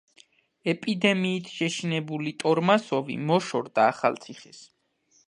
ეპიდემიით შეშინებული ტორმასოვი მოშორდა ახალციხეს.